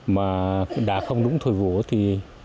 mà đã không đúng thời vụ thì